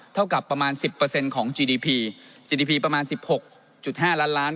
เท่ากับประมาณสิบเปอร์เซ็นต์ของจีดีพีจีดีพีประมาณสิบหกจุดห้าล้านล้าน